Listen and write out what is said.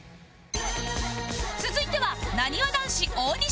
続いてはなにわ男子大西